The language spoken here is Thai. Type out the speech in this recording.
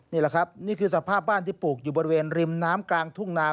นี่แหละครับนี่คือสภาพบ้านที่ปลูกอยู่บริเวณริมน้ำกลางทุ่งนา